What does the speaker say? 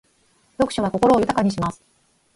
読書は心を豊かにします。